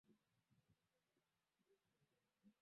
mahojiano yanahitaji taarifa sahihi zenye kiwango thabiti